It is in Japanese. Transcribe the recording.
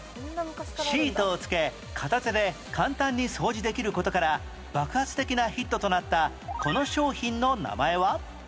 シートをつけ片手で簡単に掃除できる事から爆発的なヒットとなったこの商品の名前は？